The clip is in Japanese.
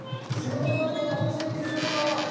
仕事のあとの楽しみにするよ。